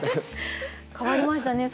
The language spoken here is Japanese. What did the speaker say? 変わりましたね。